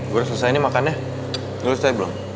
gue udah selesai nih makannya lo selesai belum